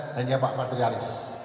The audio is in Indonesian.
hanya pak patrialis